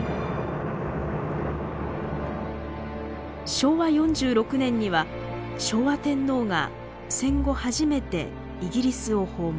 昭和４６年には昭和天皇が戦後初めてイギリスを訪問。